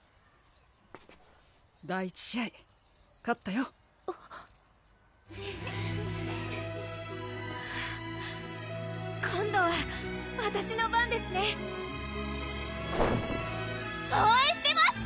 第一試合勝ったよ今度はわたしの番ですね応援してます！